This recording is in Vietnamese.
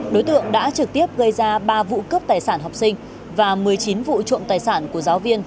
đối tượng đã trực tiếp gây ra ba vụ cướp tài sản học sinh và một mươi chín vụ trộm tài sản của giáo viên